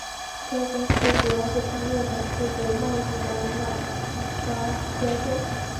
该公司主要是通过展示和贸易展览批发销售。